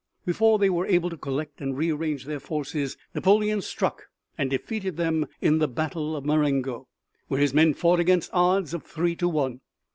Before they were able to collect and rearrange their forces, Napoleon struck and defeated them in the battle of Marengo, where his men fought against odds of three to one.